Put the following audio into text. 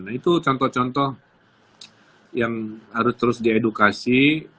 nah itu contoh contoh yang harus terus diedukasi